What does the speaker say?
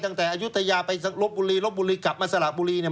ตั้งแต่อายุตยาไปรถบุรีรถบุรีกลับมาสละบุรี